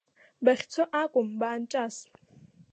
Бахьцо акәым, баанҿас!